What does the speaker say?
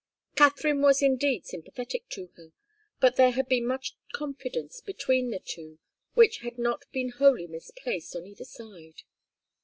Katharine was indeed sympathetic to her, and there had been much confidence between the two, which had not been wholly misplaced on either side.